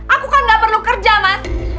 aku kan gak perlu kerja mas